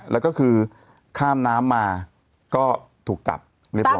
แล้วก็คือข้ามน้ำมาก็ถูกจับเรียบร้อ